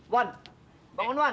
wan bangun wan